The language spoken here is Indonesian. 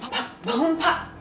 pak bangun pak